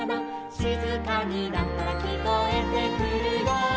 「しずかになったらきこえてくるよ」